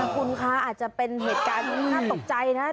คุณคะอาจจะเป็นเหตุการณ์น่ากลัว